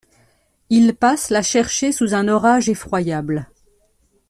Ils passent la chercher sous un orage effroyable.